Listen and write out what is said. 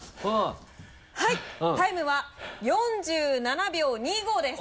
はいタイムは４７秒２５です。